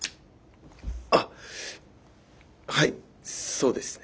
あはいそうですね。